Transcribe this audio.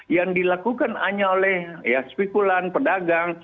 yang dilakukan hanya oleh spekulan pedagang